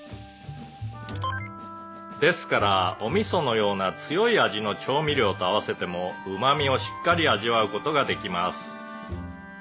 「ですからおみそのような強い味の調味料と合わせてもうまみをしっかり味わう事ができます」